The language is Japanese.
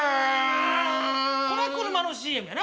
これは車のＣＭやな？